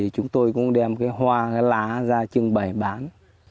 chúng tôi cũng đem hoa lá ra chưng bày bán